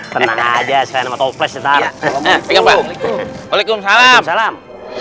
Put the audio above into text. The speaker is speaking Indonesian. tenang aja saya nama toples ntar alaikum salam